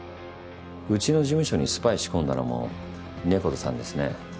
うちの事務所にスパイ仕込んだのも猫田さんですね？